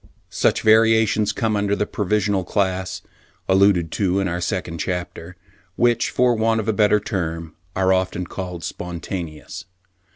Such variations come under the provisional class, alluded to in our second chapter, which for want of a better term are often called spontaneous.